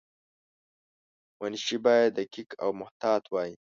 منشي باید دقیق او محتاط وای.